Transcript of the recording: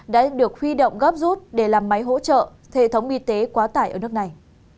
đã được huy động gấp rút để làm máy hỗ trợ hệ thống y tế quá tải ở nước này